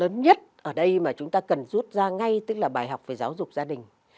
lớn nhất ở đây mà chúng ta cần rút ra ngay tức là bài học về giáo dục gia đình